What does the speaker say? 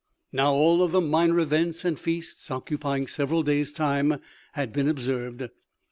Now all of the minor events and feasts, occupying several days' time, had been observed.